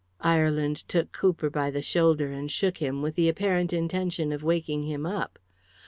Ireland took Cooper by the shoulder and shook him, with the apparent intention of waking him up.